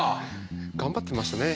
頑張ってましたね。